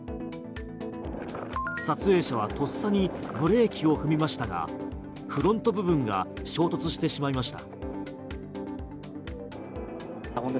撮影者はとっさにブレーキを踏みましたがフロント部分が衝突してしまいました。